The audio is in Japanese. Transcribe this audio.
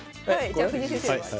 じゃあ藤井先生。